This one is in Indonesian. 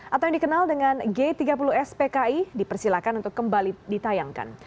atau yang dikenal dengan g tiga puluh spki dipersilakan untuk kembali ditayangkan